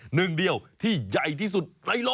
หนึ่งเดียวที่ใหญ่ที่สุดในโลก